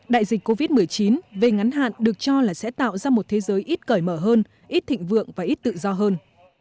đại dịch covid một mươi chín về ngắn hạn được cho là sẽ tạo ra một thế giới ít cởi mở hơn ít thịnh vượng và ít tự do hơn